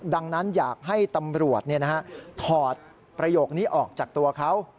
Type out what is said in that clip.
ดังนั้นอยากให้ตำรวจถอดประโยคนี้ออกจากตัวเขา